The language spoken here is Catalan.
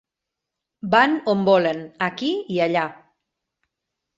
Van on volen, aquí i allà.